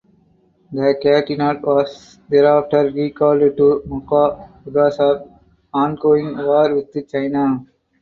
The "Catinat" was thereafter recalled to Macau because of the ongoing war with China.